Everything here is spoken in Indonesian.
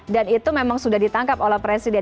dan itu memang sudah ditangkap oleh presiden